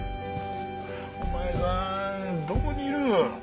お前さんどこにいる？